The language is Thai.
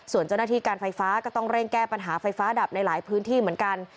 ส่วนเจ้าหน้าที่การไฟฟ้าก็ต้องเร่งแก้ปัญหาไฟฟ้าดับในหลายพื้นที่เหมือนกัน